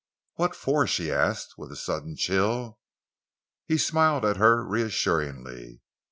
"What for?" she asked, with a sudden chill. He smiled at her reassuringly.